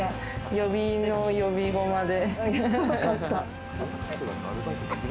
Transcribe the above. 予備の予備駒で。